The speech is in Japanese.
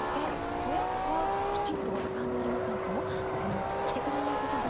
お洋服はきちっと畳んでおりませんと着てくれないこともあるんですけれども。